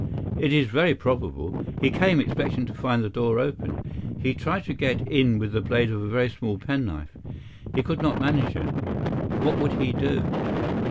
"It is very probable. He came expecting to find the door open. He tried to get in with the blade of a very small penknife. He could not manage it. What would he do?"